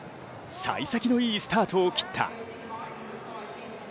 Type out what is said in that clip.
さい先のいいスタートを切った。